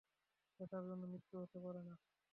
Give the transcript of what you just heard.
সেটার জন্য মৃত্যু হতে পারেনা।